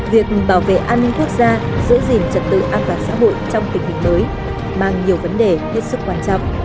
việc bảo vệ an ninh quốc gia giữ gìn trật tự an toàn xã hội trong tình hình mới mang nhiều vấn đề hết sức quan trọng